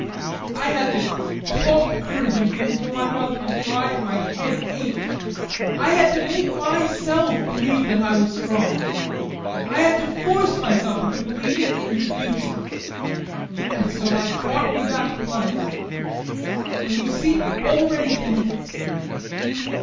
I had to talk courage into you until my mouth was dry and my head ached. I had to make myself believe that I was strong. I had to force myself into believing in the future. And so I brought you back to life, when you seemed already dead.